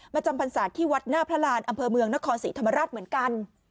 จำพรรษาที่วัดหน้าพระรานอำเภอเมืองนครศรีธรรมราชเหมือนกัน